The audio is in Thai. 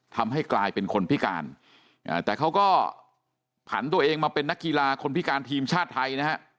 ทำให้กลายเป็นคนพิการแต่เขาก็ผันตัวเองมาเป็นนักกีฬาคนพิการทีมชาติไทยนะฮะ